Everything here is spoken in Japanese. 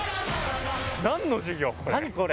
何の授業これ？